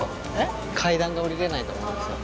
階段が下りれないと思うんですよ。